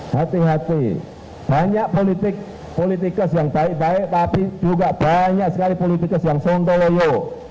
hati hati banyak politik politikus yang baik baik tapi juga banyak sekali politikus yang sontoloyo